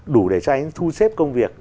đủ để cho anh ấy thu xếp công việc